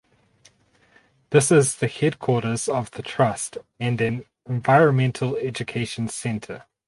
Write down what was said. This is the headquarters of the trust and an environmental education centre.